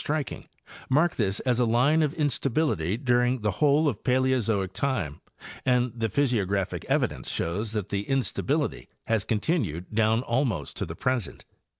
83 striking mark this as a line of instability during the whole of Paleozoic time and the physiographic evidence shows that the = instability has continued down almost to the present.